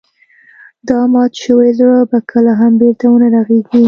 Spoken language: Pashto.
دا مات شوی زړه به کله هم بېرته ونه رغيږي.